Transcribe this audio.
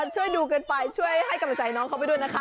ช่วยดูกันไปช่วยให้กำลังใจน้องเขาไปด้วยนะคะ